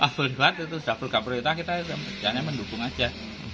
masalahnya itu sudah program perintah kita hanya mendukung aja